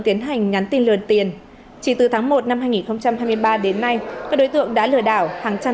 tiến hành nhắn tin lừa tiền chỉ từ tháng một năm hai nghìn hai mươi ba đến nay các đối tượng đã lừa đảo hàng trăm